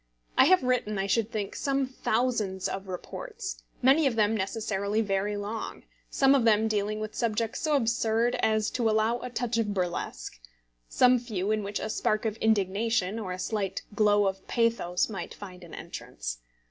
I have written, I should think, some thousands of reports, many of them necessarily very long; some of them dealing with subjects so absurd as to allow a touch of burlesque; some few in which a spark of indignation or a slight glow of pathos might find an entrance.